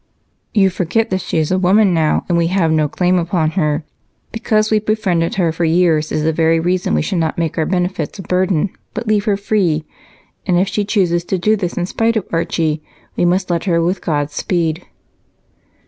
"You forget that she is a woman now, and we have no claim on her. Because we've befriended her for years is the very reason we should not make our benefits a burden, but leave her free, and if she chooses to do this in spite of Archie, we must let her with a Godspeed."